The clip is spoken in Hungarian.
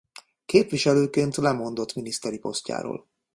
Képviselőként lemondott miniszteri posztjáról.